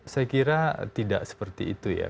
saya kira tidak seperti itu ya